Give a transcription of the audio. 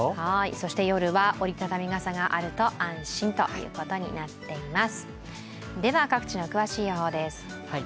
そして夜は折り畳み傘があると安心ということになっています。